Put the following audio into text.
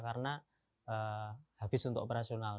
karena habis untuk operasional